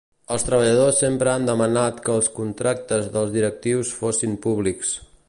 Els treballadors sempre han demanat que els contractes dels directius fossin públics.